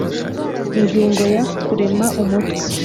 Ingingo ya kurema umutwe